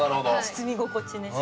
包み心地ね。